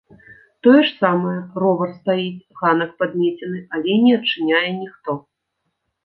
Тое ж самае, ровар стаіць, ганак падмецены, але не адчыняе ніхто.